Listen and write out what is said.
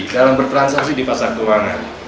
dalam bertransaksi di pasar keuangan